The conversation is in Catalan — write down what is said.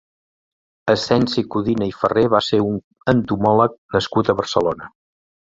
Ascensi Codina i Ferrer va ser un entomòleg nascut a Barcelona.